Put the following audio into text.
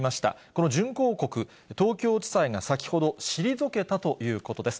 この準抗告、東京地裁が先ほど、退けたということです。